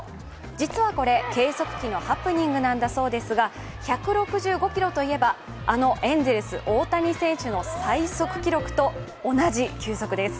実はこれ計測器のハプニングなんだそうですが１６５キロといえば、あのエンゼルス大谷選手の最速記録と同じ記録です。